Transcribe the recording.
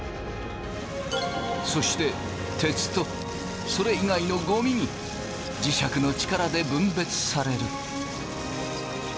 そして鉄とそれ以外のゴミに磁石の力で分別される。